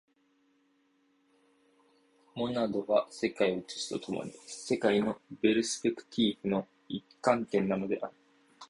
モナドは世界を映すと共に、世界のペルスペクティーフの一観点なのである。